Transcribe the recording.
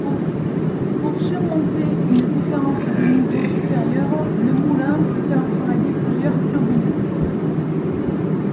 Pour surmonter une différence de niveau supérieure, le moulin peut faire travailler plusieurs turbines.